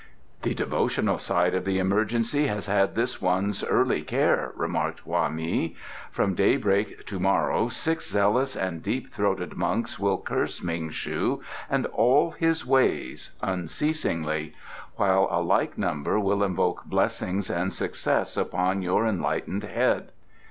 "The devotional side of the emergency has had this one's early care," remarked Hwa mei. "From daybreak to morrow six zealous and deep throated monks will curse Ming shu and all his ways unceasingly, while a like number will invoke blessings and success upon your enlightened head.